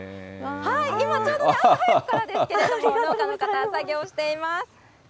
今ちょうど、朝早くからですけど、農家の方、作業しています。